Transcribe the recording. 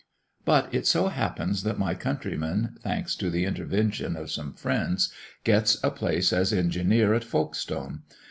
But it so happens that my countryman, thanks to the intervention of some friends, gets a place as engineer, at Folkestone.